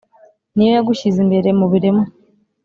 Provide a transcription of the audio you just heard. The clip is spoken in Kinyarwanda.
niyo yagushyize imbere mu biremwa